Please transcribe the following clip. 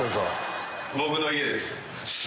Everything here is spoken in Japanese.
僕の家です。